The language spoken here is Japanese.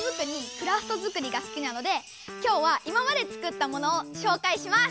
クラフト作りがすきなので今日は今まで作ったものをしょうかいします！